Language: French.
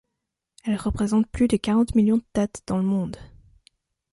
Elle représente plus de quarante millions de têtes dans le monde.